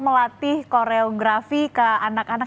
melatih koreografi ke anak anak